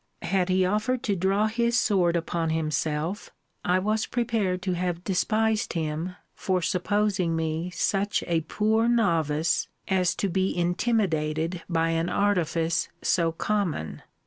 Had he offered to draw his sword upon himself, I was prepared to have despised him for supposing me such a poor novice, as to be intimidated by an artifice so common.